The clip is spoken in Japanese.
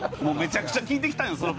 もうめちゃくちゃ聞いてきたんよ